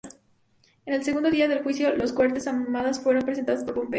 En el segundo día del juicio, las cohortes armadas fueron presentadas por Pompeyo.